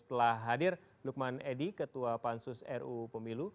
setelah hadir lukman edi ketua pansus ruu pemilu